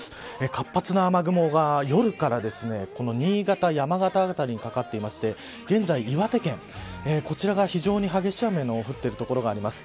活発な雨雲が夜から新潟、山形辺りにかかっていて現在、岩手県こちらが非常に激しい雨の降っている所があります。